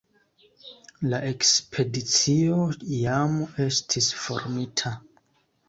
La ekspedicio jam estis formita.